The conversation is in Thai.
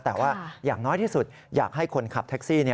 แต่ว่าอย่างน้อยที่สุดอยากให้คนขับแท็กซี่